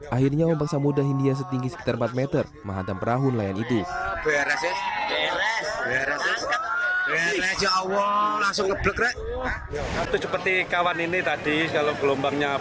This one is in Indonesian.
akhirnya memang samude india setinggi sekitar empat meter menghantam perahu nelayan itu